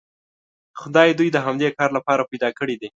خدای دوی د همدې کار لپاره پیدا کړي دي.